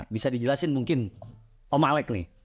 bisa dijelasin mungkin om alec nih